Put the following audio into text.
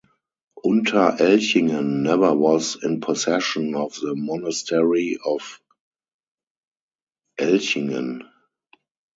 Unterelchingen never was in possession of the Monastery of Elchingen.